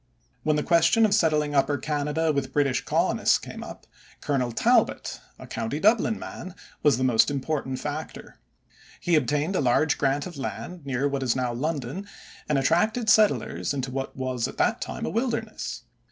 When the question of settling Upper Canada with British colonists came up, Colonel Talbot, a county Dublin man, was the most important factor. He obtained a large grant of land near what is now London and attracted settlers into what was at that time a wilderness.